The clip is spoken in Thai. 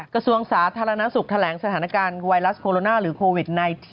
กระทรวงสาธารณสุขแถลงสถานการณ์ไวรัสโคโรนาหรือโควิด๑๙